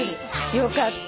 よかった。